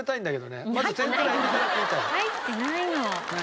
入ってないから。